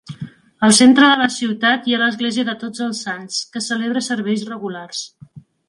Al centre de la ciutat hi ha l'església de Tots els Sants, que celebra serveis regulars.